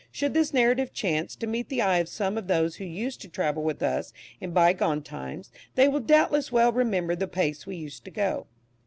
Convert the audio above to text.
Should this narrative chance to meet the eye of some of those who used to travel with us in bygone times, they will doubtless well remember the pace we used to go.